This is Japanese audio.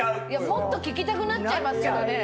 もっと聴きたくなっちゃいますけどね。